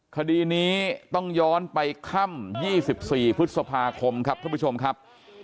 คดีนี้ต้องย้อนไปค่ำ๒๔พฤษภาคมครับท่านผู้ชมครับ